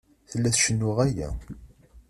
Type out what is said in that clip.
Tella tcennu ɣaya.